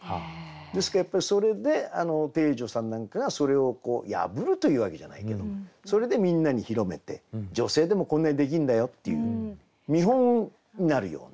ですからやっぱりそれで汀女さんなんかがそれを破るというわけじゃないけどそれでみんなに広めて女性でもこんなにできんだよっていう見本になるような。